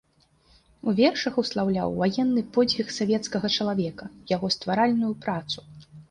У вершах услаўляў ваенны подзвіг савецкага чалавека, яго стваральную працу.